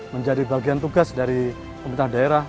menjadi bagian tugas dari pemerintah daerah